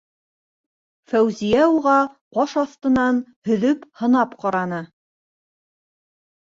- Фәүзиә уға ҡаш аҫтынан һөҙөп-һынап ҡараны.